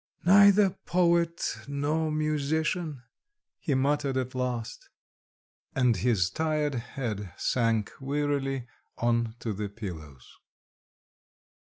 "Neither poet nor musician!" he muttered at last... And his tired head sank wearily on to the pillows.